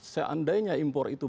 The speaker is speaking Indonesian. seandainya impor itu